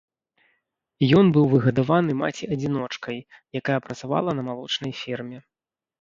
Ён быў выгадаваны маці-адзіночкай, якая працавала на малочнай ферме.